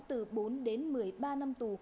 từ bốn đến một mươi ba năm tù